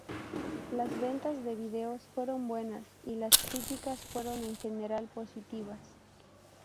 Las ventas de videos fueron buenas y las críticas fueron en general positivas.